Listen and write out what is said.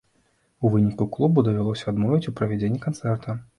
У выніку клубу давялося адмовіць у правядзенні канцэрта.